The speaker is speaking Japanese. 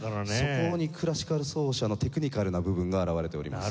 そこにクラシカル奏者のテクニカルな部分が表れております。